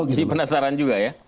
jadi penasaran juga ya